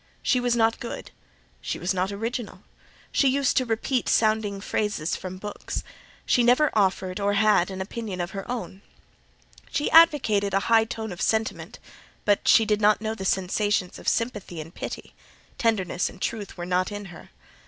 She was not good; she was not original: she used to repeat sounding phrases from books: she never offered, nor had, an opinion of her own. She advocated a high tone of sentiment; but she did not know the sensations of sympathy and pity; tenderness and truth were not in her.